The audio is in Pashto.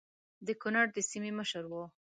د کنړ د سیمې مشر وو.